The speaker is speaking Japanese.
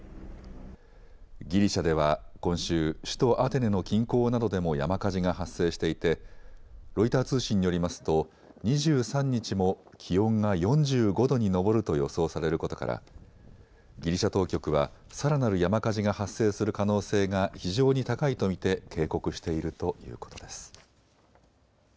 ギリシャでは今週、首都アテネの近郊などでも山火事が発生していてロイター通信によりますと２３日も気温が４５度に上ると予想されることからギリシャ当局はさらなる山火事が発生する可能性が非常に高いと見て警告しているということです。